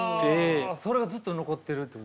それがずっと残っているっていう。